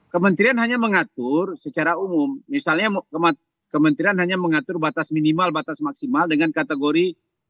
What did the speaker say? kementerian hanya mengatur secara umum misalnya kementerian hanya mengatur batas minimal batas maksimal dengan kategori satu dua tiga empat lima enam tujuh sepuluh